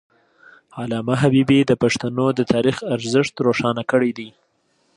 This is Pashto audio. علامه حبيبي د پښتنو د تاریخ ارزښت روښانه کړی دی.